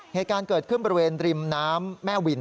เหตุการณ์เกิดขึ้นบริเวณริมน้ำแม่วิน